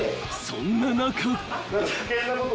［そんな中］